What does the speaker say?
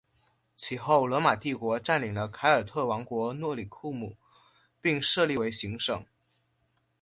其后罗马帝国占领了凯尔特王国诺里库姆并设立为行省。